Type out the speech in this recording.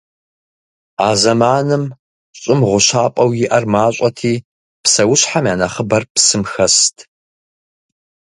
А зэманым Щӏым гъущапӏэу иӏэр мащӏэти, псэущхьэм я нэхъыбэр псым хэст.